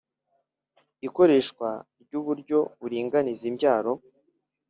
ikoreshwa ry'uburyo buringaniza imbyaro